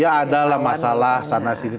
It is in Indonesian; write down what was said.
ya ada lah masalah sana sini tentunya